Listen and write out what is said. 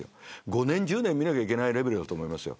５年、１０年見なきゃいけないレベルだと思いますよ。